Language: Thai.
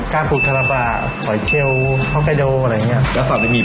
ก้านปลูกทาราบาหอยเคลทองกาโดอะไรอย่างนี้